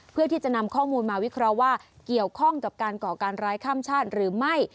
เพื่อที่จะนำข้อมูลมาวิเคราะห์ว่าเกี่ยวข้องกับการก่อการร้ายข้ามชาติหรือไม่